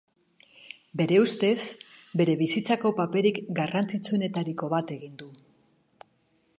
Bere uztez, bere bizitzako paperik garrantzitsuenetariko bat egin du.